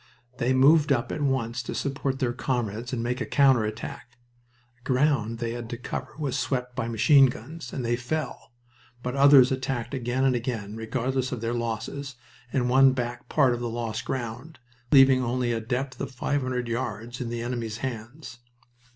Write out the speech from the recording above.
They moved up at once to support their comrades and make a counter attack. The ground they had to cover was swept by machine guns, and many fell, but the others attacked again and again, regardless of their losses, and won back part of the lost ground, leaving only a depth of five hundred yards in the enemy's hands.